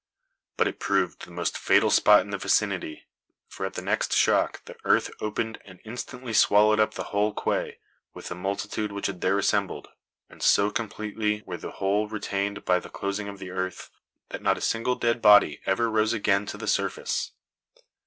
But it proved the most fatal spot in the vicinity; for at the next shock the earth opened and instantly swallowed up the whole quay, with the multitude which had there assembled; and so completely were the whole retained by the closing of the earth, that not a single dead body ever rose again to the surface.